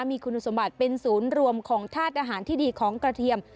มีคุณสมบัติเป็นศูนย์รวมของธาตุอาหารที่ดีของกระเทียม